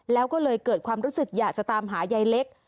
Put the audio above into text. แล้วก็เลยเกิดความรู้สึกอยากจะตามหายายเล็ก